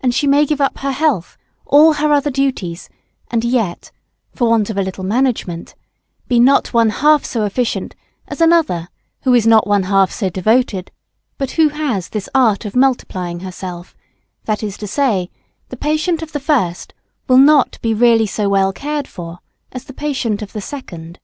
And she may give up her health, all her other duties, and yet, for want of a little management, be not one half so efficient as another who is not one half so devoted, but who has this art of multiplying herself that is to say, the patient of the first will not really be so well cared for, as the patient of the second.